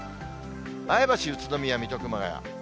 前橋、宇都宮、水戸、熊谷。